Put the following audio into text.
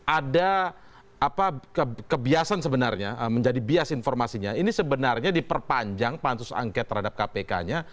ada kebiasaan sebenarnya menjadi bias informasinya ini sebenarnya diperpanjang pansus angket terhadap kpk nya